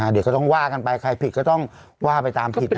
เดี๋ยวก็ต้องว่ากันไปใครผิดก็ต้องว่าไปตามผิด